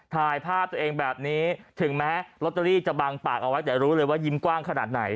ถ่ายภาพตัวเองแบบนี้ถึงแม้ลอตเตอรี่จะบังปากเอาไว้แต่รู้เลยว่ายิ้มกว้างขนาดไหน